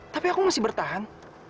tapi aku masih bertahan